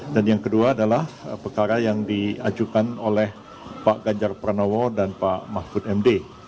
dan yang kedua adalah perkara yang diajukan oleh pak ganjar pranowo dan pak mahfud md